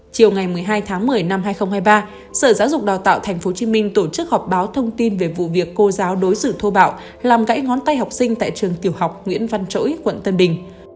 chiều ngày một mươi hai tháng một mươi năm hai nghìn hai mươi ba sở giáo dục đào tạo tp hcm tổ chức họp báo thông tin về vụ việc cô giáo đối xử thô bạo làm gãy ngón tay học sinh tại trường tiểu học nguyễn văn trỗi quận tân bình